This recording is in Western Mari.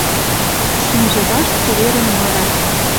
Шӱмжӹ вашт цеверӹн мыра